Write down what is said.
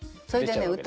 それでね